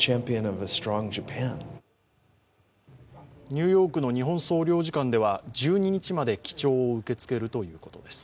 ニューヨークの日本総領事館では１２日まで記帳を受け付けるということです。